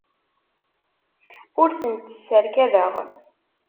Ur tent-sserkadeɣ.